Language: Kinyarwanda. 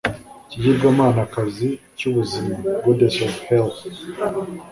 ikigirwamanakazi cy’ ubuzima (goddess of health)